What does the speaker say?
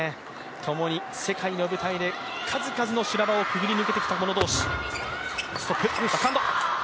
ともに世界の舞台で数々の修羅場をくぐり抜けてきた者同士。